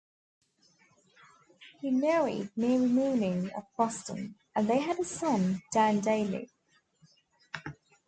He married Mary Mooney of Boston, and they had a son, Dan Daly.